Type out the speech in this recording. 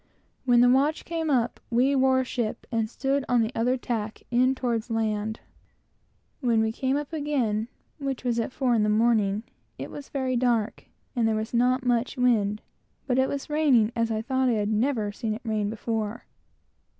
When the watch came up, we wore ship, and stood on the other tack, in towards land. When we came up again, which was at four in the morning, it was very dark, and there was not much wind, but it was raining as I thought I had never seen it rain before.